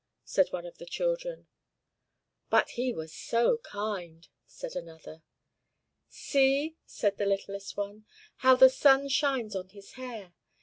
said one of the children. "But he was so kind!" said another. "See!" said the littlest one. "How the sun shines on his hair!